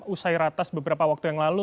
usai ratas beberapa waktu yang lalu